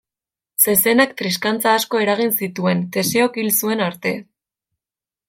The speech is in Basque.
Zezenak triskantza asko eragin zituen, Teseok hil zuen arte.